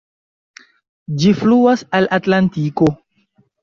Ĝi fluas al Atlantiko.